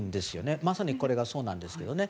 まさにこれがそうなんですけどね。